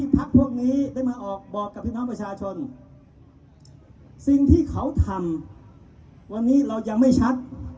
พี่น้องประชาชนสิ่งที่เขาทำวันนี้เรายังไม่ชัด